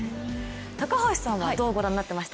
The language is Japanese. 高橋さんはどうご覧になってました？